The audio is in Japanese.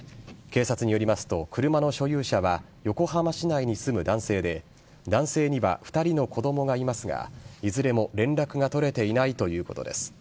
警察によりますと車の所有者は横浜市内に住む男性で男性には２人の子供がいますがいずれも連絡が取れていないということです。